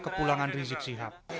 kepulangan rizik sihab